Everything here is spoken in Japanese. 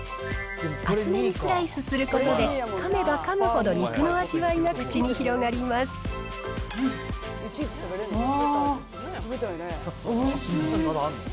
厚めにスライスすることで、かめばかむほど肉の味わいが口に広がああ、おいしい。